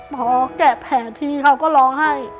พอแกะแผลที่เขาก็ร้องไห้